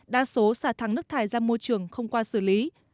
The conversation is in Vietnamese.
đa số xả thẳng nước thải ra môi trường không qua xử lý